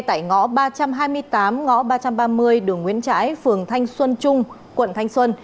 tại ngõ ba trăm hai mươi tám ngõ ba trăm ba mươi đường nguyễn trãi phường thanh xuân trung quận thanh xuân